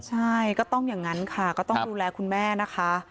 ใช่ก็ต้องอย่างนั้นค่ะก็ต้องดูแลคุณแม่นะคะ